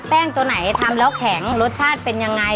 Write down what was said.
ตัวไหนทำแล้วแข็งรสชาติเป็นยังไง